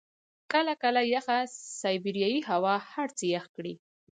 کله کله یخه سایبریايي هوا هر څه يخ کړي.